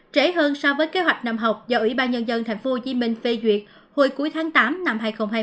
trẻ hơn so với kế hoạch năm học do ủy ban nhân dân tp hcm phê duyệt hồi cuối tháng tám năm hai nghìn hai mươi